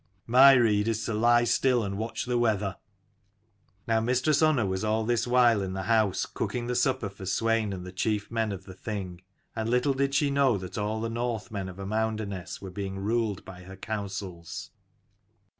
My rede is to lie still and watch the weather." Now Mistress Unna was all this while in the house, cooking the supper for Swein and the chief men of the Thing, and little did she know that all the Northmen of Amounderness were being ruled by her counsels.